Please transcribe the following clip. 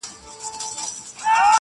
راښكاره سوې سرې لمبې ياغي اورونه.!